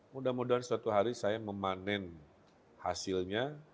mudah mudahan suatu hari saya memanen hasilnya